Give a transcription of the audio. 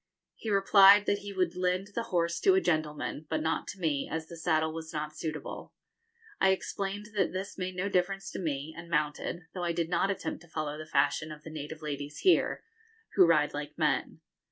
He replied that he would lend the horse to a gentleman, but not to me, as the saddle was not suitable. I explained that this made no difference to me, and mounted, though I did not attempt to follow the fashion of the native ladies here, who ride like men.